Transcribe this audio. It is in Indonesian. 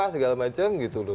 segala macem gitu loh